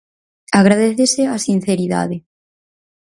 Agradécese a sinceridade.